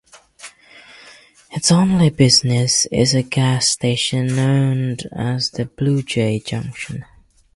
Its only business is a gas station known as the Blue Jay Junction.